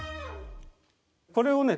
これをね